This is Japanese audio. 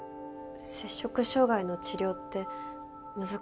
摂食障害の治療って難しいんですね。